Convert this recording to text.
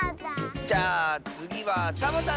じゃあつぎはサボさんだよ。